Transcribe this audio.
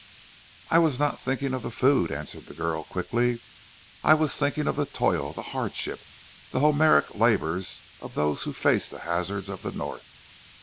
"I was not thinking of the food," answered the girl quickly. "I was thinking of the toil, the hardship the Homeric labours of those who face the hazards of the North."